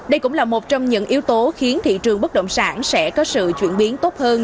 đây cũng là một trong những yếu tố khiến thị trường bất động sản sẽ có sự chuyển biến tốt hơn